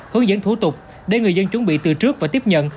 hướng dẫn thủ tục để người dân chuẩn bị từ trước và tiếp nhận